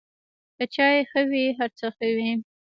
که چای ښه وي، هر څه ښه وي.